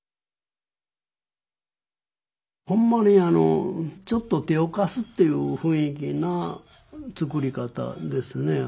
ほんまにちょっと手を貸すっていう雰囲気な作り方ですね。